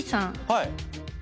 はい。